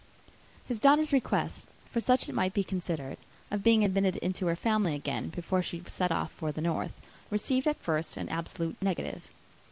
His daughter's request, for such it might be considered, of being admitted into her family again, before she set off for the north, received at first an absolute negative.